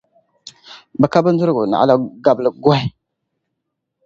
Bɛ ka bindirgu naɣila gabligɔhi.